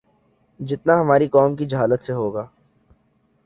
جتنا ہماری قوم کی جہالت سے ہو گا